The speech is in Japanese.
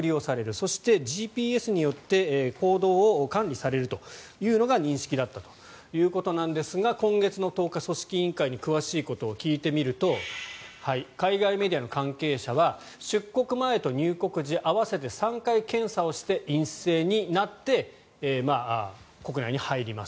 そして、ＧＰＳによって行動を管理されるというのが認識だったということなんですが今月の１０日、組織委員会に詳しいことを聞いてみると海外メディアの関係者は出国前と入国時合わせて３回検査をして陰性になって国内に入ります。